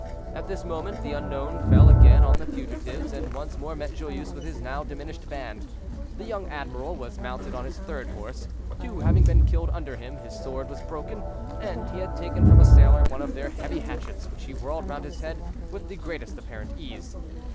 At this moment the unknown fell again on the fugitives, and once more met Joyeuse with his now diminished band. The young admiral was mounted on his third horse, two having been killed under him; his sword was broken, and he had taken from a sailor one of their heavy hatchets, which he whirled round his head with the greatest apparent ease.